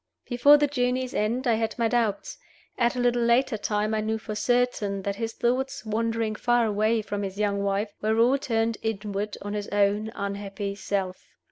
Before the journey's end I had my doubts; at a little later time I knew for certain that his thoughts, wandering far away from his young wife, were all turned inward on his own unhappy self.